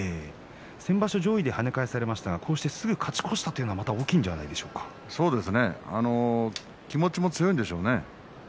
先場所上位で跳ね返されましたがすぐに勝ち越したというのは気持ちも強いんでしょうね。